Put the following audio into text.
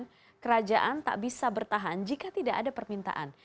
namun kerajaan tak bisa bertahan jika tidak ada permintaan